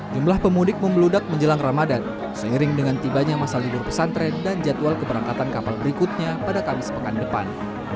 jumlah pemudik membeludak menjelang ramadan seiring dengan tibanya masa libur pesantren dan jadwal keberangkatan kapal berikutnya pada kamis pekan depan